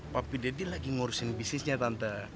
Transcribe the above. papi deddy lagi ngurusin bisnisnya tante